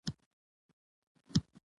هېڅ عدالتي پرېکړه حقيقت نه شي بدلولی.